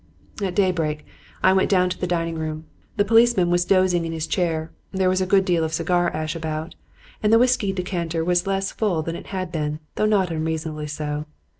"At daybreak I went down to the dining room. The policeman was dozing in his chair; there was a good deal of cigar ash about, and the whiskey decanter was less full than it had been, though not unreasonably so.